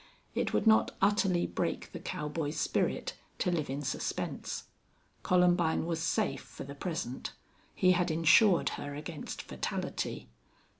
It would not utterly break the cowboy's spirit to live in suspense. Columbine was safe for the present. He had insured her against fatality.